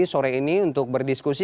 sore ini untuk berdiskusi